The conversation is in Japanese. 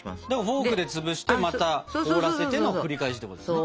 フォークで潰してまた凍らせての繰り返しってことだよね。